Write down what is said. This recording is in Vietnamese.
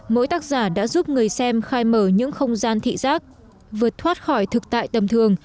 mỗi tác giả đã giúp người xem khai mở những không gian thị giác vượt thoát khỏi thực tại tầm thường